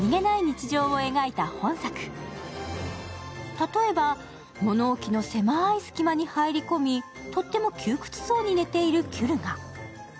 例えば物置の狭い隙間に入り込みとっても窮屈そうに寝ているキュルガ。